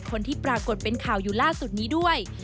คนที่ปรากฏเป็นข่าวอยู่ล่าสุดนี้ด้วย